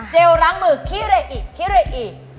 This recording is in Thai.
เจลล้างมือขี้เหละอีกขี้เหละอีก